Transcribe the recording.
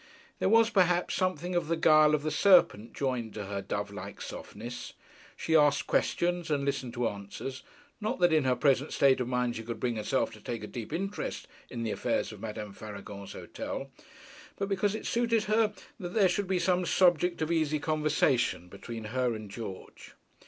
There was, perhaps, something of the guile of the serpent joined to her dove like softness. She asked questions and listened to answers not that in her present state of mind she could bring herself to take a deep interest in the affairs of Madame Faragon's hotel, but because it suited her that there should be some subject of easy conversation between her and George.